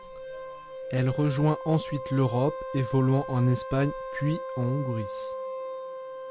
Elle rejoint ensuite l'Europe, évoluant en Espagne puis en Hongrie.